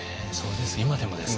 今でもですか。